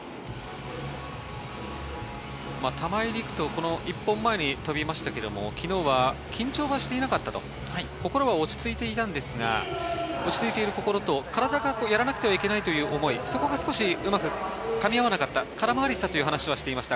玉井陸斗、１本前に飛びましたけれども、昨日は緊張していなかったと、心は落ち着いていたんですが、体がやらなきゃいけないという思い、そこがうまくかみ合わなかった、空回りしたという話をしていました。